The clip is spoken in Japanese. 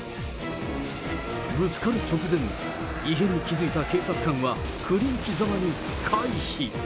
ぶつかる直前、異変に気付いた警察官は振り向きざまに回避。